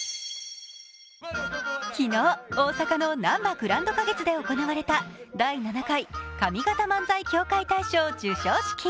昨日、大阪のなんばグランド花月で行われた第７回上方漫才協会大賞授賞式。